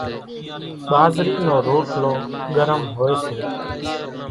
ٻازرِي نو روٽلو ڳرم هوئيَ سي۔